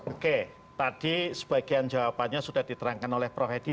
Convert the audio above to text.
oke tadi sebagian jawabannya sudah diterangkan oleh prof hedi